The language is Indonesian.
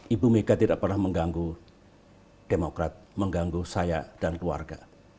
ibu mega tidak pernah mengganggu demokrat mengganggu saya dan keluarga